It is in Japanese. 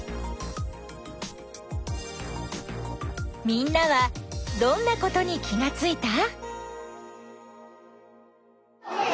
みんなはどんなことに気がついた？